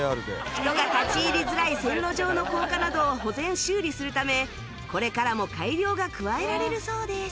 人が立ち入りづらい線路上の高架などを保全修理するためこれからも改良が加えられるそうです